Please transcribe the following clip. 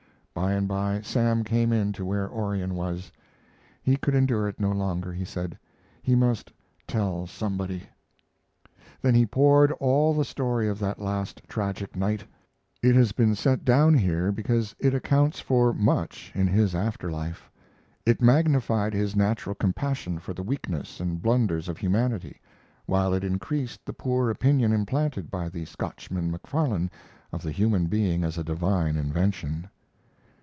By and by Sam came in to where Orion was. He could endure it no longer, he said; he must, "tell somebody." Then he poured all the story of that last tragic night. It has been set down here because it accounts for much in his after life. It magnified his natural compassion for the weakness and blunders of humanity, while it increased the poor opinion implanted by the Scotchman Macfarlane of the human being as a divine invention.